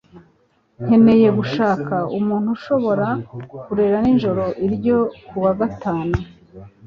Nkeneye gushaka umuntu ushobora kurera nijoro ryo kuwa gatanu